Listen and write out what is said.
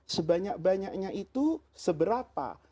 sebanyak banyaknya itu seberapa